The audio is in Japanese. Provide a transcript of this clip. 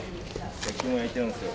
焼き芋焼いてるんですよ。